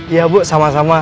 iya bu sama sama